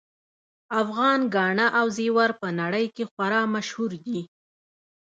افغان ګاڼه او زیور په نړۍ کې خورا مشهور دي